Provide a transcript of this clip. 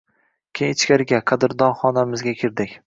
Keyin ichkariga – qadrdon xonamizga kirdik.